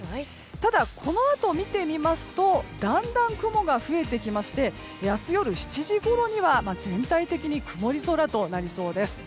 ただ、このあと見てみますとだんだん雲が増えてきまして明日夜７時ごろには全体的に曇り空となりそうです。